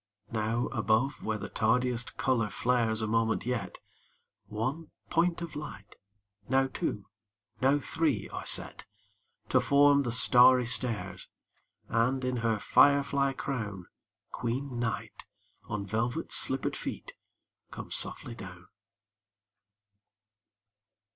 Now above where the tardiest color flares a moment yet, One point of light, now two, now three are set To form the starry stairs,— And, in her fire fly crown, Queen Night, on velvet slippered feet, comes softly down.